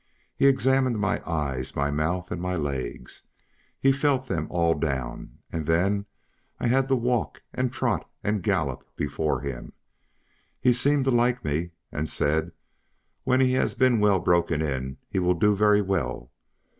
He examined my eyes, my mouth, and my legs; he felt them all down, and then I had to walk and trot and gallop before him; he seemed to like me, and said, "When he has been well broken in he will do very well."